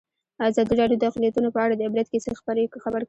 ازادي راډیو د اقلیتونه په اړه د عبرت کیسې خبر کړي.